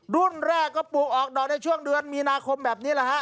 รุ่นแรกก็ปลูกออกดอกในช่วงเดือนมีนาคมแบบนี้แหละฮะ